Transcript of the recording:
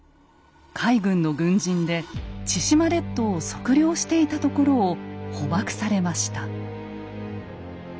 海軍の軍人で千島列島を測量していたところを捕縛されました。